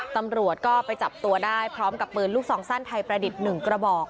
ตำรวจก็ไปจับตัวได้พร้อมกับปืนลูกซองสั้นไทยประดิษฐ์๑กระบอก